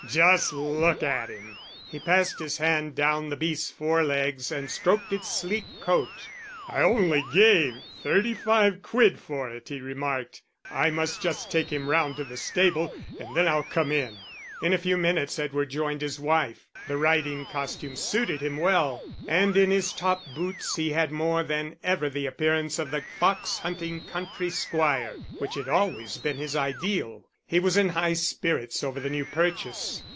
Just look at him." He passed his hand down the beast's forelegs and stroked its sleek coat. "I only gave thirty five quid for it," he remarked. "I must just take him round to the stable and then I'll come in." In a few minutes Edward joined his wife. The riding costume suited him well, and in his top boots he had more than ever the appearance of the fox hunting country squire, which had always been his ideal. He was in high spirits over the new purchase.